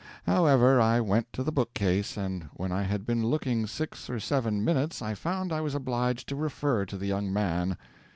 However, I went to the bookcase, and when I had been looking six or seven minutes I found I was obliged to refer to the young man.